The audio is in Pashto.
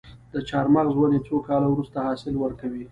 د چهارمغز ونې څو کاله وروسته حاصل ورکوي؟